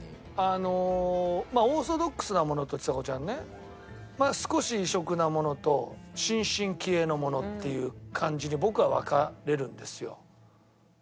あのオーソドックスなものとちさ子ちゃんねまあ少し異色なものと新進気鋭のものっていう感じで僕は分かれるんですよ。